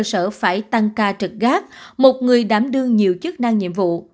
y tế cơ sở phải tăng ca trực gác một người đảm đương nhiều chức năng nhiệm vụ